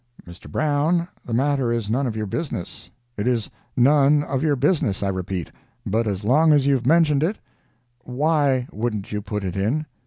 "Mr. Brown, the matter is none of your business. It is none of your business, I repeat, but, as long as you have mentioned it, why wouldn't you put it in?"